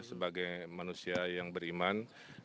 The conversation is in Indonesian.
sebagai manusia yang beriman